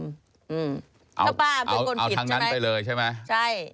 ถ้าป้าเป็นคนผิดใช่ไหมใช่